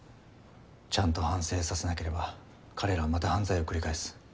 ちゃんと反省させなければ彼らはまた犯罪を繰り返す。